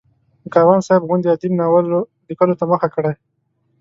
د کاروان صاحب غوندې ادیب ناول لیکلو ته مخه کړي.